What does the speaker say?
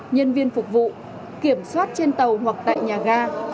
nhân viên phục vụ kiểm soát trên tàu hoặc tại nhà ga